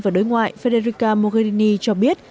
và đối ngoại federica mogherini cho biết